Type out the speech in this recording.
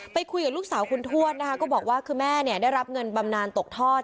คุยกับลูกสาวคุณทวดนะคะก็บอกว่าคือแม่เนี่ยได้รับเงินบำนานตกทอด